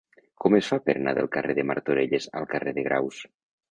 Com es fa per anar del carrer de Martorelles al carrer de Graus?